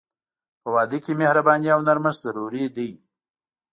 په واده کې مهرباني او نرمښت ضروري دي.